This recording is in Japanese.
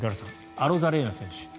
アロザレーナ選手